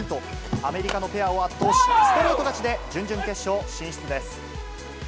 アメリカのペアを圧倒し、ストレート勝ちで準々決勝進出です。